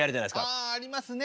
ああありますねえ。